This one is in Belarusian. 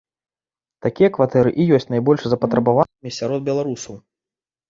Такія кватэры і ёсць найбольш запатрабаванымі сярод беларусаў.